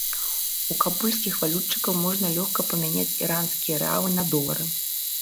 У кабульскіх валютчыкаў можна лёгка памяняць іранскія рэалы на долары.